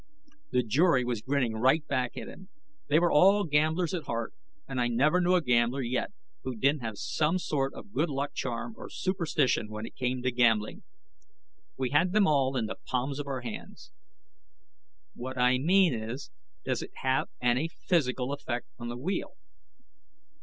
The jury was grinning right back at him. They were all gamblers at heart, and I never knew a gambler yet who didn't have some sort of good luck charm or superstition when it came to gambling. We had them all in the palms of our hands. "What I mean is, does it have any physical effect on the wheel?"